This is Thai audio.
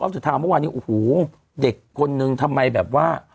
อันสุดท้ายเมื่อวานี้อัหโหเด็กกนึงทำไมแบบว่า